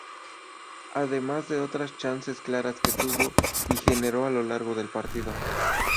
Además de otras chances claras que tuvo y generó a lo largo del partido.